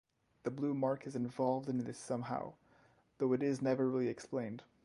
The blue mark is involved in this somehow, though it is never really explained.